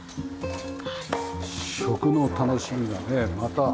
食の楽しみがねまた。